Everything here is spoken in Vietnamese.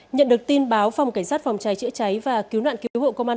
nhận được tin báo phòng cảnh sát phòng trái chữa trái và cứu nạn cứu hộ công an